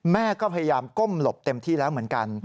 แม่ก็พยายามก้มหลบเต็มที่แล้วเหมือนกัน